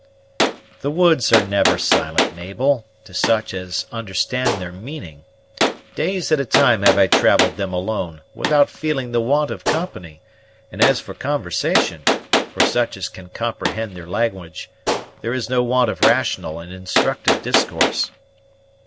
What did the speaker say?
"The woods are never silent, Mabel, to such as understand their meaning. Days at a time have I travelled them alone, without feeling the want of company; and, as for conversation, for such as can comprehend their language, there is no want of rational and instructive discourse."